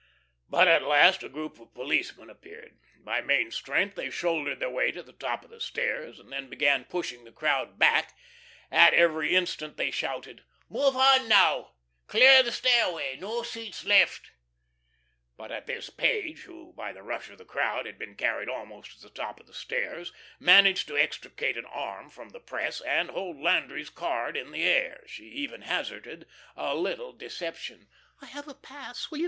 But, at last, a group of policemen appeared. By main strength they shouldered their way to the top of the stairs, and then began pushing the crowd back. At every instant they shouted: "Move on now, clear the stairway. No seats left!" But at this Page, who, by the rush of the crowd had been carried almost to the top of the stairs, managed to extricate an arm from the press, and hold Landry's card in the air. She even hazarded a little deception: "I have a pass.